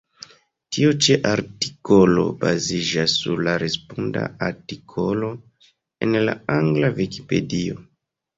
Tiu ĉi artikolo baziĝas sur la responda artikolo en la angla Vikipedio.